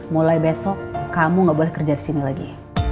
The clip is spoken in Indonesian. mulai besok kamu gak boleh kerja di sini lagi